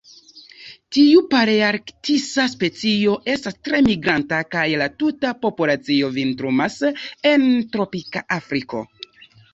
Tiu palearktisa specio estas tre migranta kaj la tuta populacio vintrumas en tropika Afriko.